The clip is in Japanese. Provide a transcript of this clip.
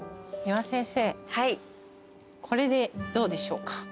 先生これでどうでしょうか？